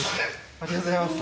ありがとうございます。